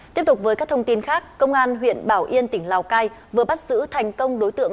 tiếp tục với các thông tin khác công an huyện bảo yên tỉnh lào cai vừa bắt giữ thành công đối tượng